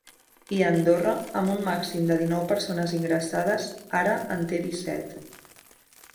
I Andorra, amb un màxim de dinou persones ingressades, ara en té disset.